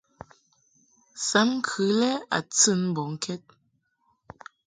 Sam ŋkɨ lɛ a tɨn mbɔŋkɛd.